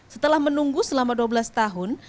setelah menunggu selama dua belas tahun